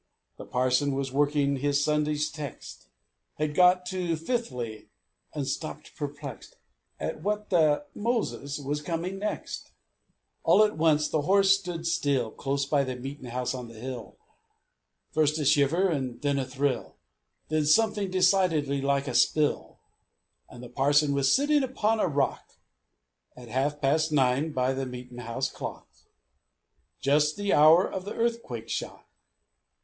The parson was working his Sunday's text Had got to fifthly, and stopped perplexed At what the Moses was coming next. All at once the horse stood still, Close by the meet'n' house on the hill. First a shiver, and then a thrill, Then something decidedly like a spill And the parson was sitting upon a rock, At half past nine by the meet'n' house clock Just the hour of the Earthquake shock!